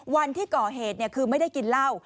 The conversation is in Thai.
วันที่ก่อเหตุคือไม่ได้กินเหล้า